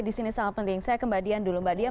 disini sangat penting saya kembalian dulu mbak dian